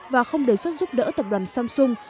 và không đề xuất giúp đỡ tập đoàn samsung